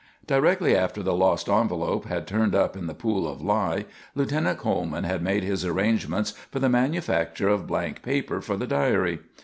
Directly after the lost envelop had turned up in the pool of lye, Lieutenant Coleman had made his arrangements for the manufacture of blank paper for the diary.